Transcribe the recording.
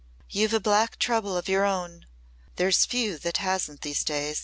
"You've a black trouble of your own. There's few that hasn't these days.